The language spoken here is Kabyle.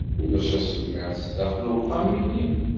Ulac asemmiḍ sdaxel uxxam-nni.